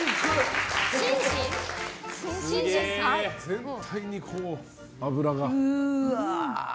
全体に脂が。